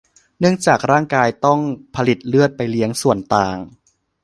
เนื่องจากร่างกายต้องผลิตเลือดไปเลี้ยงส่วนต่าง